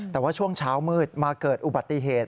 แต่ว่าช่วงเช้ามืดมาเกิดอุบัติเหตุ